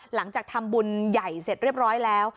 หลังจากทำบุญใหญ่เสร็จเรียบร้อยแล้ว